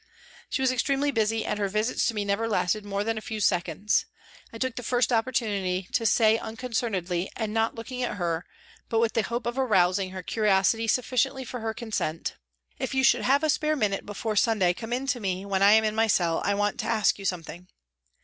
She was extremely busy and her visits to me never lasted more than a few seconds. I took the first opportunity to say un concernedly and not looking at her, but with the hope of arousing her curiosity sufficiently for her consent : "If you should have a spare minute 160 PRISONS AND PRISONERS before Sunday, come in to me when I am in my cell, I want to ask you something."